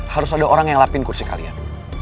harus ada orang yang lapin kursi kalian